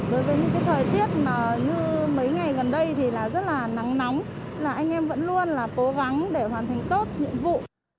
đối với những thời tiết như mấy ngày gần đây thì rất là nắng nóng là anh em vẫn luôn là cố gắng để hoàn thành tốt nhiệm vụ